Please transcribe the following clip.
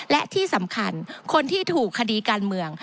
และที่สำคัญคนที่ถูกคดีการเมือง